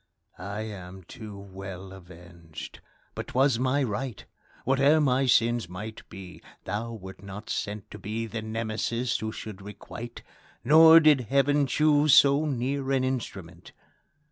I am too well avenged! but 'twas my right; Whate'er my sins might be, thou wert not sent To be the Nemesis who should requite Nor did Heaven choose so near an instrument.